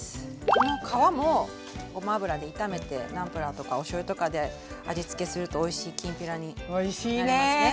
この皮もごま油で炒めてナンプラーとかおしょうゆとかで味付けするとおいしいきんぴらになりますね。